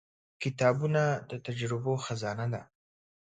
• کتابونه د تجربو خزانه ده.